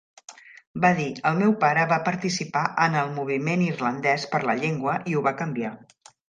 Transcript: Va dir, El meu pare va participar en el moviment irlandès per la llengua i ho va canviar".